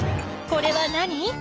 これは何？